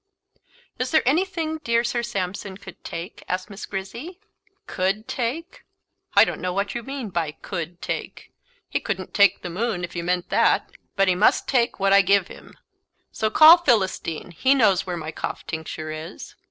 "Is there anything dear Sir Sampson could take?" asked Miss Grizzy. "Could take? I don't know what you mean by could take. He couldn't take the moon, if you meant hat; but he must take what I give him; so call Philistine; he knows where my cough tincture is."